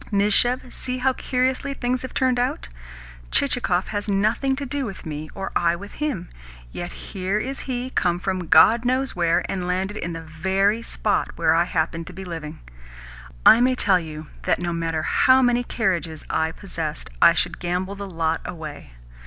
Mizhuev, see how curiously things have turned out. Chichikov has nothing to do with me, or I with him, yet here is he come from God knows where, and landed in the very spot where I happen to be living! I may tell you that, no matter how many carriages I possessed, I should gamble the lot away.